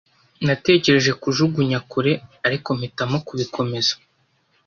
Natekereje kujugunya kure, ariko mpitamo kubikomeza.